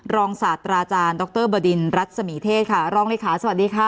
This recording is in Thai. ศาสตราอาจารย์ดรบดินรัศมีเทศค่ะรองเลขาสวัสดีค่ะ